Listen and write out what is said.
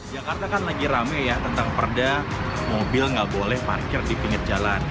jakarta kan lagi rame ya tentang perda mobil nggak boleh parkir di pinggir jalan